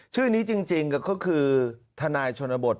ชื่อนี้จริงก็คือทนายชนบท